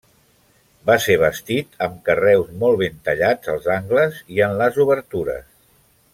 Va ser bastit amb carreus molt ben tallats als angles i en les obertures.